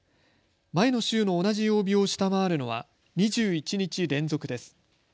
前の週の同じ曜日を下回るのは２１日連続です。